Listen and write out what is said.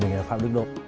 mình là phạm đức độ